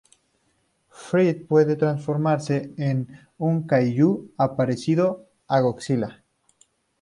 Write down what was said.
Fred puede transformarse en un Kaiju parecido a Godzilla.